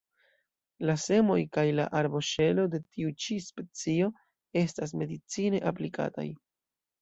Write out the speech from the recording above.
La semoj kaj la arboŝelo de tiu ĉi specio estas medicine aplikataj.